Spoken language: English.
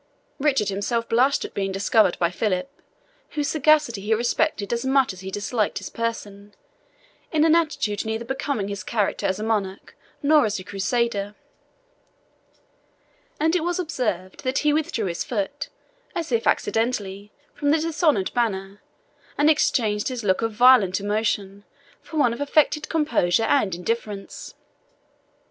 Richard himself blushed at being discovered by Philip, whose sagacity he respected as much as he disliked his person, in an attitude neither becoming his character as a monarch, nor as a Crusader; and it was observed that he withdrew his foot, as if accidentally, from the dishonoured banner, and exchanged his look of violent emotion for one of affected composure and indifference.